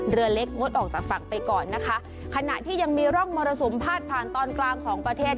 เรือเล็กงดออกจากฝั่งไปก่อนนะคะขณะที่ยังมีร่องมรสุมพาดผ่านตอนกลางของประเทศ